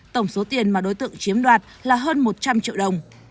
tổng số tiền mà đối tượng chiếm đoạt là hơn một trăm linh triệu đồng